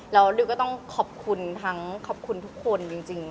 เราก็ต้องขอบคุณทั้งคอบคุณทุกคนจริง